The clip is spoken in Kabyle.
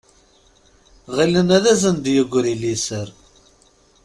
Γilen ad asen-d-yegri liser.